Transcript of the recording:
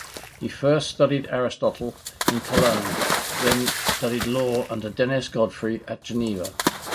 He first studied Aristotle in Cologne, then studied law under Denis Godefroy at Geneva.